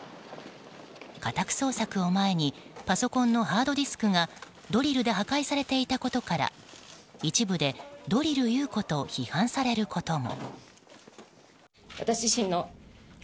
家宅捜索を前にパソコンのハードディスクがドリルで破壊されていたことから一部で、ドリル優子と批判されることも。